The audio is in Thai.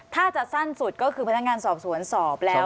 ถ้าจะสั้นสุดก็คือพนักงานสอบสวนสอบแล้ว